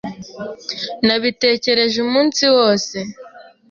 Nabitekereje umunsi wose.